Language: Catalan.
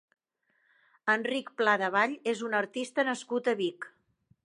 Enric Pladevall és un artista nascut a Vic.